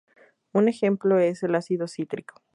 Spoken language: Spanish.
Un ejemplo es el ácido cítrico.